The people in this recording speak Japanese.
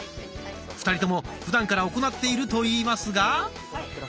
２人ともふだんから行っていると言いますが。